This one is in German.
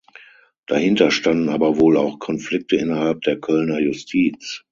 Dahinter standen aber wohl auch Konflikte innerhalb der Kölner Justiz.